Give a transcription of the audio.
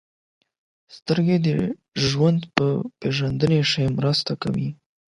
• سترګې د ژوند په پېژندنه کې مرسته کوي.